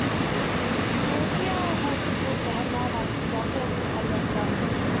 Giuffria will support headline act Dokken on the Sunday.